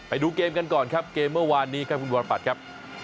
ไปดูเกมกันก่อนครับเกมเมื่อวานนี้ครับคุณวรปัตย์ครับ